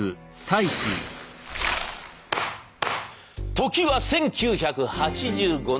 時は１９８５年。